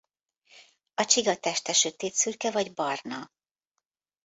A csiga teste sötétszürke vagy barna.